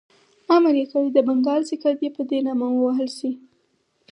امر یې کړی د بنګال سکه دي په ده نامه ووهل شي.